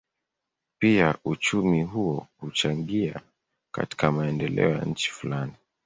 Pia uchumi huo huchangia katika maendeleo ya nchi fulani.